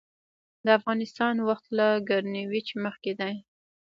د افغانستان وخت له ګرینویچ مخکې دی